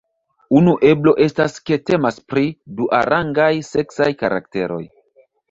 Unu eblo estas ke temas pri duarangaj seksaj karakteroj.